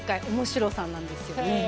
おもしろさなんですよね。